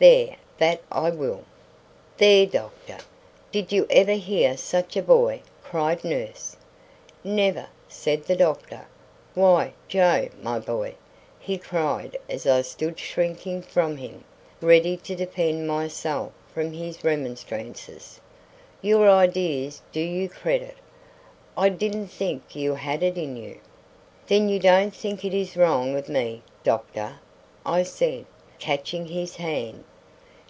There, that I will." "There, doctor, did you ever hear such a boy?" cried nurse. "Never," said the doctor. "Why, Joe, my boy," he cried as I stood shrinking from him, ready to defend myself from his remonstrances, "your ideas do you credit. I didn't think you had it in you." "Then you don't think it is wrong of me, doctor?" I said, catching his hand.